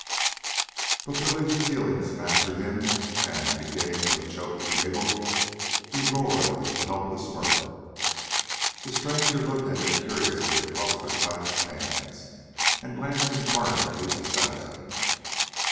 But Billy's feelings mastered him, and, beginning with a choking giggle, he roared into helpless mirth. The stranger looked at him curiously across their clasped hands, and glanced inquiringly to Saxon.